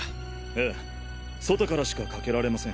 ええ外からしか掛けられません。